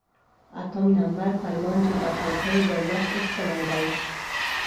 اتم نمبر فرمان چې دا خلقي دولت ایستلی دی.